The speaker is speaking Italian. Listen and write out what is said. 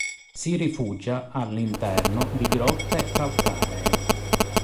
Si rifugia all'interno di grotte calcaree.